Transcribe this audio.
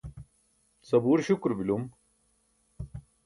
sabuur śukuro bilum